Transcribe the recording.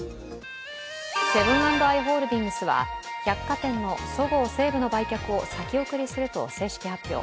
セブン＆アイ・ホールディングスは、百貨店のそごう・西武の売却を先送りすると正式発表。